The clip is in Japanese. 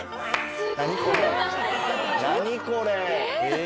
何これ。